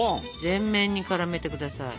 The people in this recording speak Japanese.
全面にからめてください。